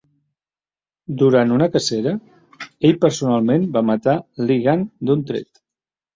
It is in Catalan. Durant una cacera, ell personalment va matar Li Gan d'un tret.